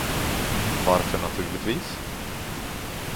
Varför naturligtvis?